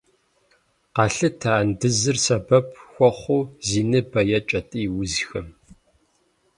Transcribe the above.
Къалъытэ андызыр сэбэп хуэхъуу зи ныбэ е кӏэтӏий узхэм.